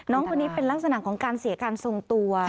น้องคนนี้เป็นลักษณะของการเสียการทรงตัว